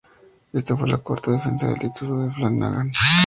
Esta fue la cuarta defensa del título de Flanagan.